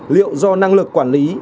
liệu do năng lực quản lý